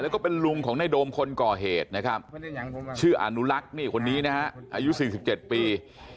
แล้วก็เป็นลุงของในโดมคนก่อเหตุนะครับชื่ออนุลักษณ์อายุ๔๗ปี